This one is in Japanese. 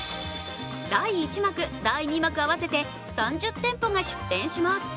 第１幕、第２幕合わせて３０店舗が出店します。